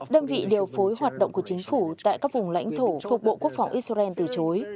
đơn vị điều phối hoạt động của chính phủ tại các vùng lãnh thổ thuộc bộ quốc phòng israel từ chối